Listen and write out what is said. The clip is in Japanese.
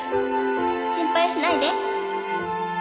心配しないで。